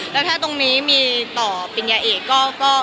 แล้วถ้าตรงนี้มีต่อปิญญาเอกก็